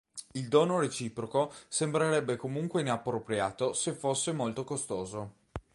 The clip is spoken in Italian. Il dono reciproco sembrerebbe comunque inappropriato se fosse molto costoso.